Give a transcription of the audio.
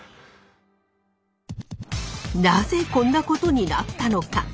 なぜこんなことになったのか？